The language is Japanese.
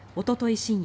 深夜